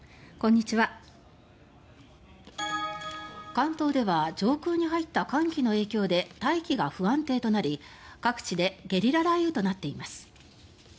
関東では上空に入った寒気の影響で大気が不安定となり各地でゲリラ雷雨となっています